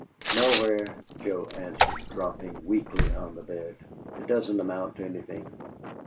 "Nowhere," Joe answered, dropping weakly on the bed. "It doesn't amount to anything."